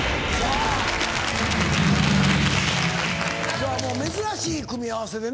今日はもう珍しい組み合わせでね。